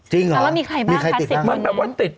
จริงเหรอมีใครบ้างครับ๑๐คนนะมีใครติดบังแบมวันติด